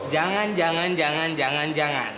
jangan jangan jangan jangan